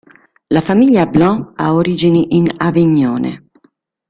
La famiglia Blanc ha origine in Avignone.